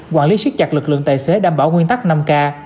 quản lý siết chặt lực lượng tài xế đảm bảo nguyên tắc năm k